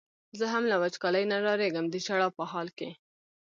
زه هم له وچکالۍ نه ډارېږم د ژړا په حال کې.